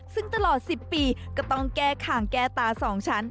ซึ่งตลอด๑๐ปีก็ต้องแก้ขางแก้ตา๒ชั้น